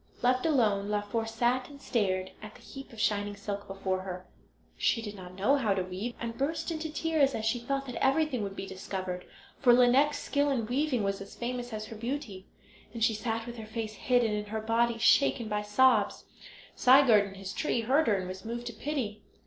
Left alone, Laufer sat and stared at the heap of shining silk before her. She did not know how to weave, and burst into tears as she thought that everything would be discovered, for Lineik's skill in weaving was as famous as her beauty. As she sat with her face hidden and her body shaken by sobs, Sigurd in his tree heard her and was moved to pity.